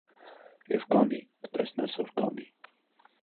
Եվ կանի, կտեսնես, որ կանի: